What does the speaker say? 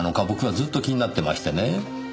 僕はずっと気になってましてね。